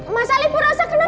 mas al ibu rosa kenapa